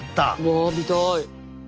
わあ見たい。